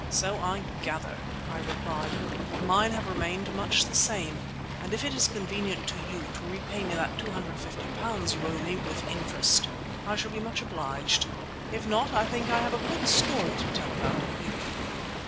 "So I gather," I replied; "but mine have remained much the same, and if it is convenient to you to repay me that £250 you owe me, with interest, I shall be much obliged. If not, I think I have a good story to tell about you."